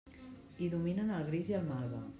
Hi dominen el gris i el malva.